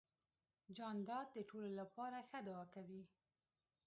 جانداد د ټولو لپاره ښه دعا کوي.